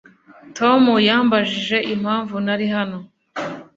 Tom yambajije impamvu nari hano